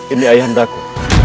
ini ayah andaku